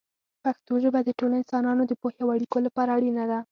پښتو ژبه د ټولو انسانانو د پوهې او اړیکو لپاره اړینه ده.